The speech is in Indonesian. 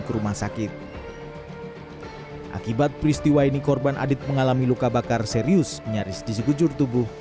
ke rumah sakit akibat peristiwa ini korban adit mengalami luka bakar serius nyaris di sekujur tubuh